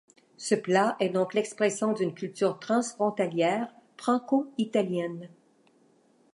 Ce plat est donc l'expression d'une culture transfrontalière franco-italienne.